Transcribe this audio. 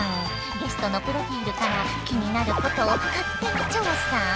ゲストのプロフィールから気になることを勝手に調査。